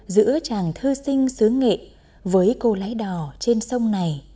giữa chàng thư sinh xứ nghệ với cô lái đò trên sông này